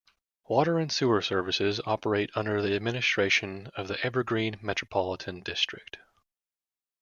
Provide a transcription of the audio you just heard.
Water and sewer services operate under the administration of the Evergreen Metropolitan District.